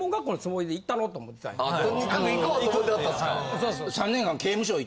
とにかく行こうと思ってはったんですか。